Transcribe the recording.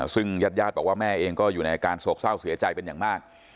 ซึ่งญาติญาติบอกว่าแม่เองก็อยู่ในอาการโศกเศร้าเสียใจเป็นอย่างมาก